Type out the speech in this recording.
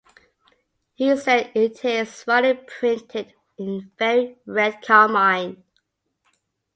He said It is finely printed in very red carmine.